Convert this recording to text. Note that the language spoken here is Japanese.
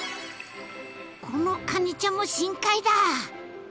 このカニちゃんも深海だ！